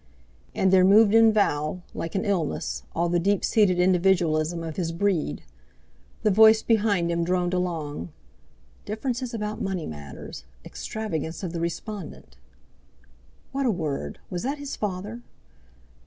And there moved in Val, like an illness, all the deep seated individualism of his breed. The voice behind him droned along: "Differences about money matters—extravagance of the respondent" (What a word! Was that his father?)